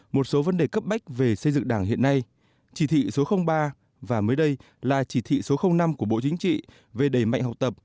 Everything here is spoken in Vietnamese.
một số vấn đề cấp bách về xây dựng đảng hiện nay chỉ thị số ba và mới đây là chỉ thị số năm của bộ chính trị về đẩy mạnh học tập